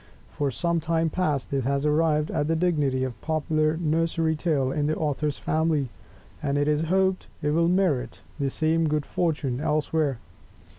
For some time past, it has arrived at the dignity of a popular Nursery Tale in the Author's family; and it is hoped it will merit the same good fortune elsewhere.